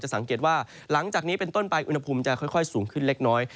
สังเกตว่าหลังจากนี้เป็นต้นไปอุณหภูมิจะค่อยสูงขึ้นเล็กน้อย